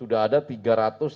ada kelompok ormas